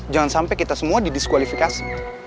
jangan sampai kita semua didiskualifikasi